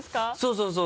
そうそう。